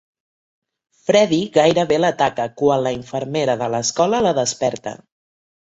Freddy gairebé l'ataca quan la infermera de l'escola la desperta.